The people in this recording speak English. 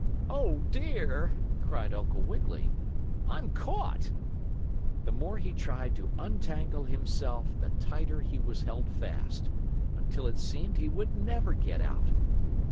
"Oh, dear!" cried Uncle Wiggily. "I'm caught!" The more he tried to untangle himself the tighter he was held fast, until it seemed he would never get out.